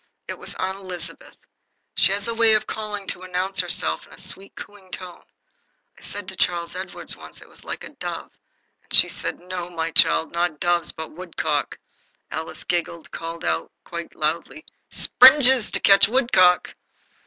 It was Aunt Elizabeth. She has a way of calling to announce herself in a sweet, cooing tone. I said to Charles Edward once it was like a dove, and he said: "No, my child, not doves, but woodcock." Alice giggled and called out, quite loudly, '"Springes to catch woodcock!'"